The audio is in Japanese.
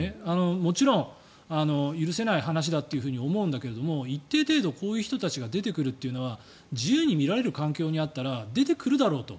もちろん、許せない話だと思うんだけど一定程度、こういう人たちが出てくるというのは自由に見られる環境にあったら出てくるだろうと。